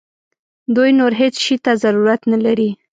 دوی نور هیڅ شي ته ضرورت نه لري.